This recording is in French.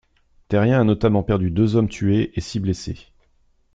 Terrien a notamment perdu deux hommes tués et six blessés.